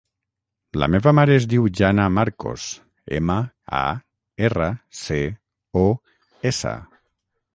La meva mare es diu Jana Marcos: ema, a, erra, ce, o, essa.